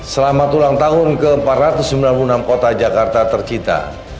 selamat ulang tahun ke empat ratus sembilan puluh enam kota jakarta tercita